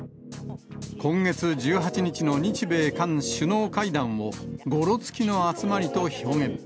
今月１８日の日米韓首脳会談をごろつきの集まりと表現。